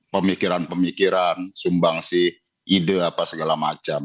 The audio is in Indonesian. pemikiran pemikiran sumbangsi ide apa segala macam